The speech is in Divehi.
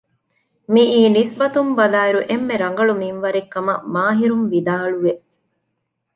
މިއީ ނިސްބަތުން ބަލާއިރު އެންމެ ރަނގަޅު މިންވަރެއް ކަމަށް މާހިރުން ވިދާޅުވެ